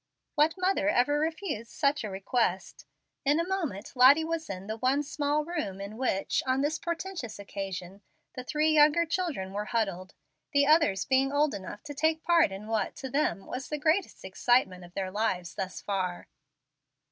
What mother ever refused such a request? In a moment Lottie was in the one small room in which, on this portentous occasion, the three younger children were huddled, the others being old enough to take part in what, to them, was the greatest excitement of their lives, thus far.